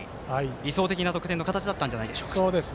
理想的な得点の形だったんじゃないでしょうか。